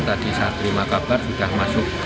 tadi saya terima kabar sudah masuk